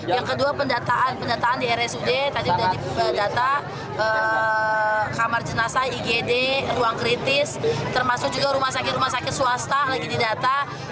yang kedua pendataan pendataan di rsud tadi sudah dibuka data kamar jenazah igd ruang kritis termasuk juga rumah sakit rumah sakit swasta lagi didata